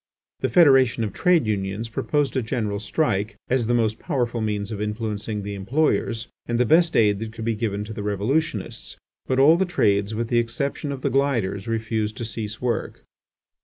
The Federation of Trade Unions proposed a general strike as the most powerful means of influencing the employers, and the best aid that could be given to the revolutionists, but all the trades with the exception of the gilders refused to cease work.